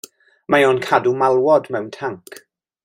Mae o'n cadw malwod mewn tanc.